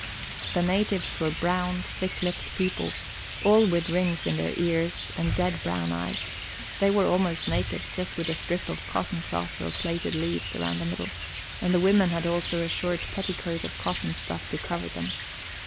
The natives were brown, thick lipped folk, all with rings in their ears and dead, brown eyes; they were almost naked, with just a strip of cotton cloth or plaited leaves round the middle, and the women had also a short petticoat of cotton stuff to cover them.